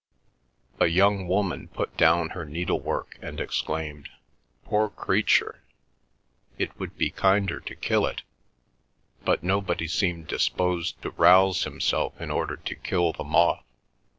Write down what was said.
A young woman put down her needlework and exclaimed, "Poor creature! it would be kinder to kill it." But nobody seemed disposed to rouse himself in order to kill the moth.